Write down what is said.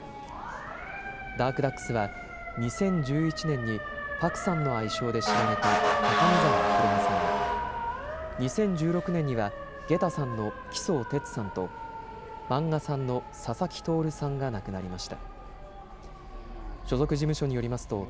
ダークダックスは２０１１年にパクさんの愛称で知られた高見澤宏さんが、２０１６年にはゲタさんの喜早哲さんと、マンガさんの佐々木行さんさんが亡くなりました。